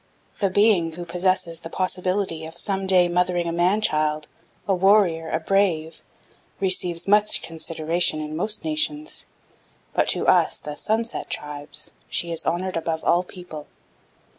The being who possesses the possibility of some day mothering a man child, a warrior, a brave, receives much consideration in most nations; but to us, the Sunset tribes, she is honored above all people.